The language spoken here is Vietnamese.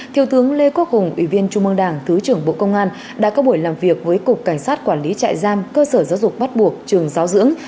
thiếu tướng lê quốc hùng ủy viên trung mương đảng thứ trưởng bộ công an đã có buổi làm việc với cục cảnh sát quản lý trại giam cơ sở giáo dục bắt buộc trường giáo dưỡng